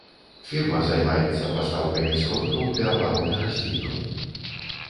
Фірма займаецца пастаўкамі сродкаў для абароны раслінаў.